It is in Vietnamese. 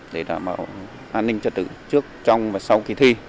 để đảm bảo an ninh trật tự trước trong và sau kỳ thi